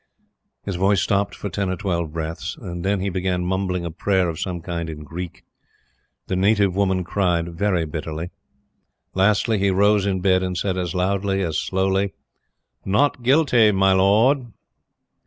His voice stopped for ten or twelve breaths, and then he began mumbling a prayer of some kind in Greek. The native woman cried very bitterly. Lastly, he rose in bed and said, as loudly as slowly: "Not guilty, my Lord!"